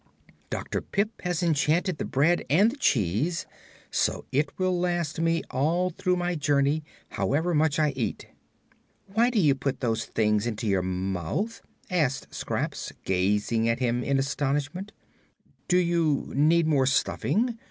Dr. Pipt has enchanted the bread and the cheese, so it will last me all through my journey, however much I eat." "Why do you put those things into your mouth?" asked Scraps, gazing at him in astonishment. "Do you need more stuffing?